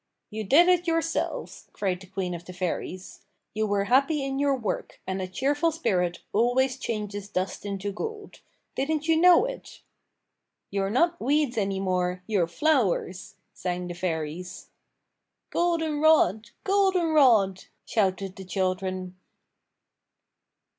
"You did it yourselves," cried the queen of the fairies. "You were happy in your work, and a cheerful spirit always changes dust into gold. Didn't you know it?" "You're not weeds any more, you're flowers," sang the fairies. "Golden rod, golden rod!" shouted the children.